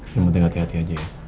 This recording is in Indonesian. yang penting hati hati aja ya